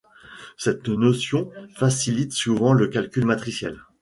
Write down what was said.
Cette notion facilite souvent le calcul matriciel.